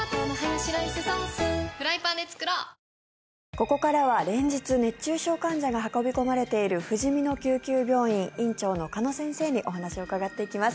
ここからは、連日熱中症患者が運び込まれているふじみの救急病院院長の鹿野先生にお話を伺っていきます。